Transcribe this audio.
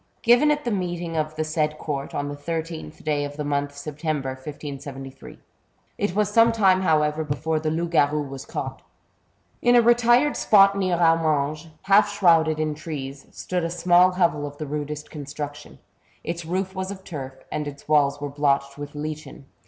... Given at the meeting of A CHAPTER OF HORRORS. 75 the said Court, on the thirteenth day of the month Septemher, 1573." It was some time, however, before the lonp garou was caught. In a retired spot near Amanges, half shrouded in trees, stood a small hovel of the rudest construction ; its roof was of turf, and its walls were blotched with lichen.